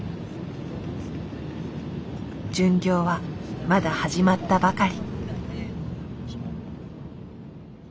巡業はまだ始まったばかり。